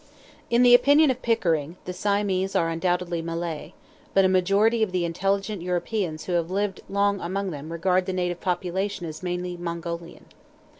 In the opinion of Pickering, the Siamese are undoubtedly Malay; but a majority of the intelligent Europeans who have lived long among them regard the native population as mainly Mongolian.